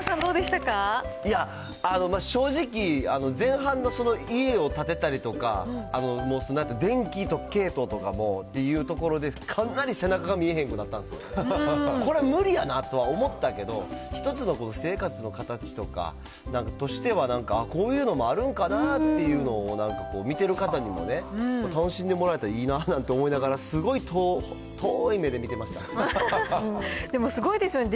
いや、正直、前半の家を建てたりとか、電気系統とかもっていうところで、かなり背中が見えへんくなったんですよ、これ無理やなとは思ったけど、一つのこの生活の形とかとしては、こういうのもあるんかなっていうのをなんかこう、見てる方にも楽しんでもらえたらいいなとか思いながら、すごい、でもすごいですよね。